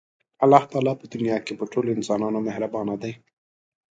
الله تعالی په دنیا کې په ټولو انسانانو مهربانه دی.